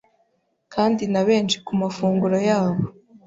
kandi na benshi ku mafunguro yabo